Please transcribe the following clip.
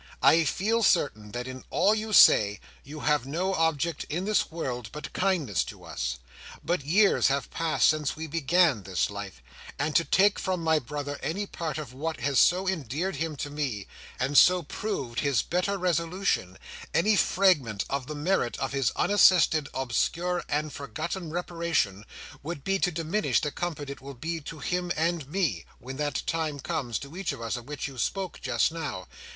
I feel certain that in all you say, you have no object in the world but kindness to us. But years have passed since we began this life; and to take from my brother any part of what has so endeared him to me, and so proved his better resolution—any fragment of the merit of his unassisted, obscure, and forgotten reparation—would be to diminish the comfort it will be to him and me, when that time comes to each of us, of which you spoke just now.